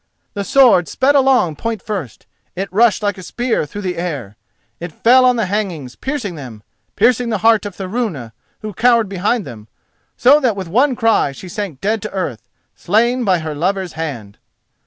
The sword sped along point first, it rushed like a spear through the air. It fell on the hangings, piercing them, piercing the heart of Thorunna, who cowered behind them, so that with one cry she sank dead to earth, slain by her lover's hand.